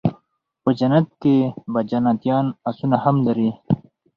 په جنت کي به جنيان آسونه هم لري